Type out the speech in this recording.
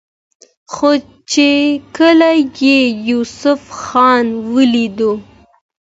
خو چې کله يې يوسف خان وليدو